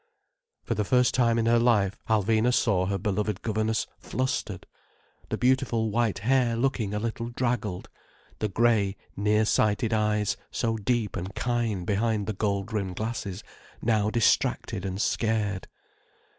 For the first time in her life Alvina saw her beloved governess flustered, the beautiful white hair looking a little draggled, the grey, near sighted eyes, so deep and kind behind the gold rimmed glasses, now distracted and scared.